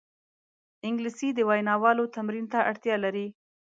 انګلیسي د ویناوالو تمرین ته اړتیا لري